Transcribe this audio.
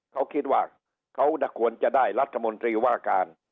เขาคิดว่าเขาควรจะได้รัฐมนตรีว่าการ